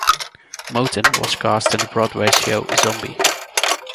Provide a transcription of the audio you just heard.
Moten was cast in the Broadway show "Zombie".